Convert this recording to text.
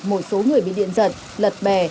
một số người bị điện giật lật bè